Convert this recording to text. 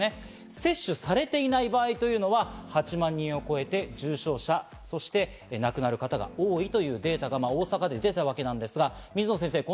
接種されていない場合というのは８万人を超えて重症者１９８４人、そして亡くなる方も多いという大阪のデータですが、水野先生